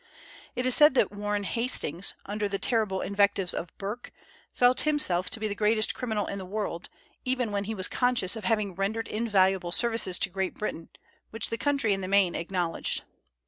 It is said that Warren Hastings, under the terrible invectives of Burke, felt himself to be the greatest criminal in the world, even when he was conscious of having rendered invaluable services to Great Britain, which the country in the main acknowledged.